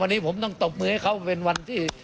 วันนี้ผมต้องตบมือให้เขาเป็นวันที่